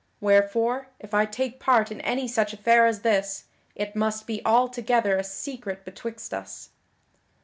Wherefore, if I take part in any such affair as this, it must be altogether a secret betwixt us."